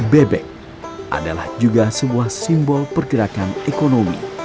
bebek adalah juga sebuah simbol pergerakan ekonomi